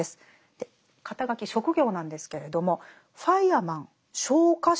で肩書職業なんですけれどもファイアマン昇火士